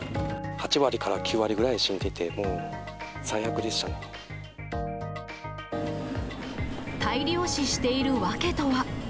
８割から９割ぐらい死んでて、大量死している訳とは。